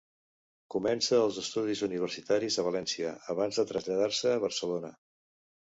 Comença els estudis universitaris a València, abans de traslladar-se a Barcelona.